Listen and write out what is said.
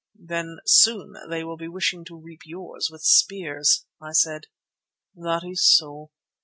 "Then soon they will be wishing to reap yours with spears," I said. "That is so.